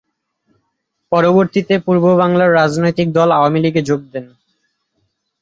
পরবর্তীতে পূর্ব বাংলার রাজনৈতিক দল আওয়ামী লীগে যোগ দেন।